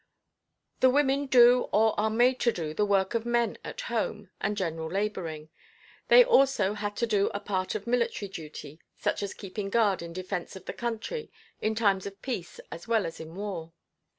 The women do or are made to do the work of men at home and general laboring. They also had to do a part of military duty, such as keeping guard in defence of the country in times of peace as well as in war.